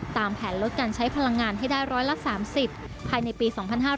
ตามแผนลดการใช้พลังงานให้ได้ร้อยละ๓๐ภายในปี๒๕๕๙